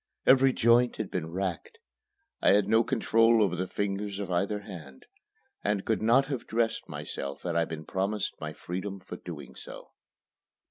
Every joint had been racked. I had no control over the fingers of either hand, and could not have dressed myself had I been promised my freedom for doing so.